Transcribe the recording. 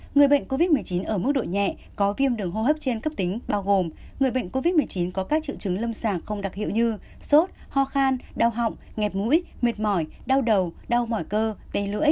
người bệnh covid một mươi chín ở mức độ nhẹ có viêm đường hô hấp trên cấp tính bao gồm người bệnh covid một mươi chín có các triệu chứng lâm sàng không đặc hiệu như sốt ho khan đau họng ngẹt mũi mệt mỏi đau đầu đau mỏi cơ tay lưỡi